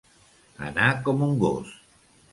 Anar com un gos.